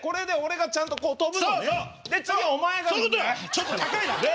ちょっと高いな！